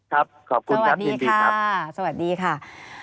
ครับขอบคุณครับยินดีครับ